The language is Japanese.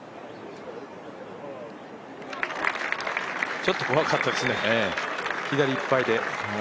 ちょっと怖かったですね、左いっぱいで。